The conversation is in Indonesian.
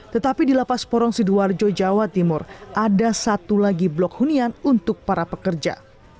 tetapi di lapas porong sidoarjo jawa timur ada satu lagi blok hunian untuk para pekerja